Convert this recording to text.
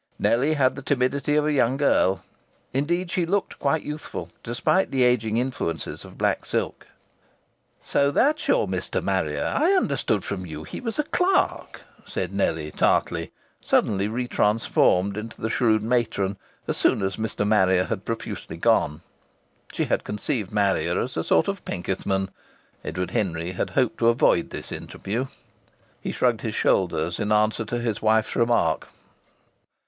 Nellie had the timidity of a young girl. Indeed she looked quite youthful, despite the ageing influences of black silk. "So that's your Mr. Marrier! I understood from you he was a clerk!" said Nellie, tartly, suddenly retransformed into the shrewd matron, as soon as Mr. Marrier had profusely gone. She had conceived Marrier as a sort of Penkethman! Edward Henry had hoped to avoid this interview. He shrugged his shoulders in answer to his wife's remark.